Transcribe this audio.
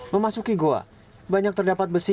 memasuki goa banyak terdapat besi